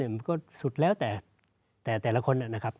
มันก็สุดแล้วแต่แต่ละคน